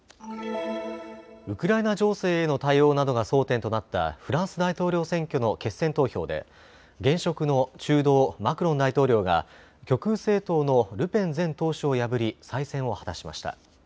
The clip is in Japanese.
ウクライナ情勢への対応などが争点となったフランス大統領選挙の決選投票で現職の中道、マクロン大統領が極右政党のルペン前党首を破り再選を果たしました。